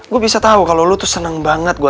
gue bisa tau kalau lo tuh seneng banget gue tangan lo